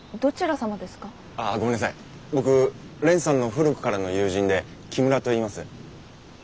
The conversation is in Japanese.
僕蓮さんの古くからの友人で木村といいます。